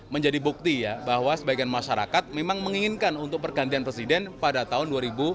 menjadi bukti ya bahwa sebagian masyarakat memang menginginkan untuk pergantian presiden pada tahun dua ribu dua puluh